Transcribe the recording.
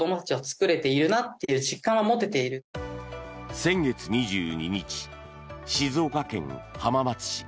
先月２２日、静岡県浜松市。